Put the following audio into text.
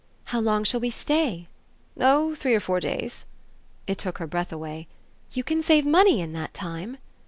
"How long shall we stay?" "Oh three or four days." It took her breath away. "You can save money in that time?"